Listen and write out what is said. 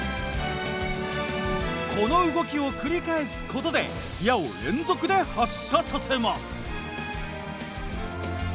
この動きを繰り返すことで矢を連続で発射させます。